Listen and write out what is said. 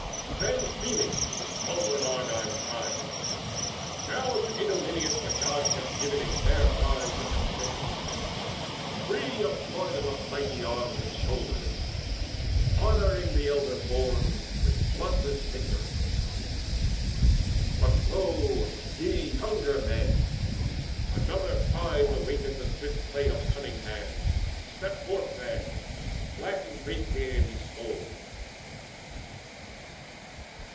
Then Phoenix to the stalwart Argives cried: "Now to Idomeneus the Gods have given A fair prize uncontested, free of toil Of mighty arms and shoulders, honouring The elder born with bloodless victory. But lo, ye younger men, another prize Awaiteth the swift play of cunning hands. Step forth then: gladden great Peleides' soul."